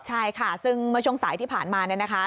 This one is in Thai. ใช่ค่ะซึ่งเมื่อช่วงสายที่ผ่านมาเนี่ยนะคะ